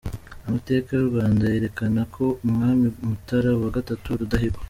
Amateka y’u Rwanda yerekana ko Umwami Mutara wa gatatu Rudahigwa